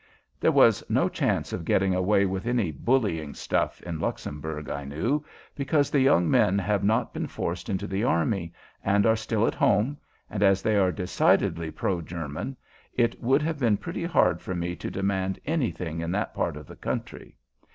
There was no chance of getting away with any "bullying" stuff in Luxembourg, I knew, because the young men have not been forced into the army and are still at home, and as they are decidedly pro German, it would have been pretty hard for me to demand anything in that part of the country.